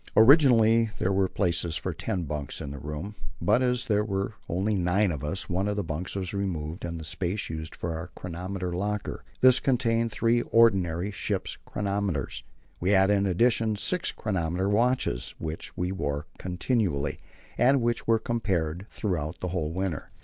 Originally there were places for ten bunks in the room, but as there were only nine of us, one of the bunks was removed and the space used for our chronometer locker. This contained three ordinary ship's chronometers. We had, in addition, six chronometer watches, which we wore continually, and which were compared throughout the whole winter.